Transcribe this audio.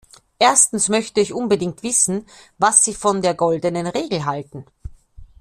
Erstens möchte ich unbedingt wissen, was Sie von der goldenen Regel halten.